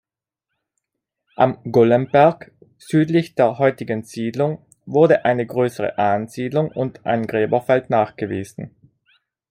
Am Gollenberg, südlich der heutigen Siedlung, wurde eine größere Ansiedlung und ein Gräberfeld nachgewiesen.